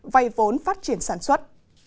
vay vốn phát triển sản xuất